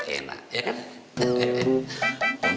enak ya kan